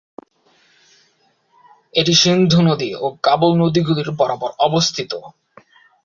এটি সিন্ধু নদী ও কাবুল নদীগুলির বরাবর অবস্থিত।